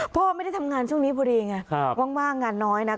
พ่อไม่ได้ทำงานช่วงนี้พอดีไงว่างงานน้อยนะ